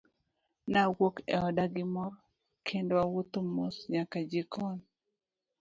Nawuok e oda gi mor kendo awuotho mos nyaka e jikon.